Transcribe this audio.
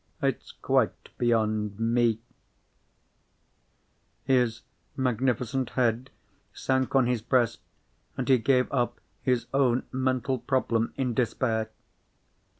It's quite beyond me." His magnificent head sank on his breast, and he gave up his own mental problem in despair.